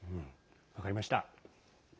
分かりました。